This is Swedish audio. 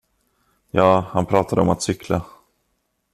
Ja, han pratade om att cykla.